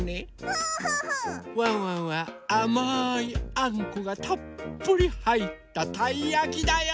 ワンワンはあまいあんこがたっぷりはいったたいやきだよ！